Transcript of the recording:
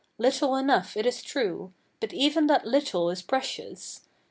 Little enough, it is true; but even that little is precious.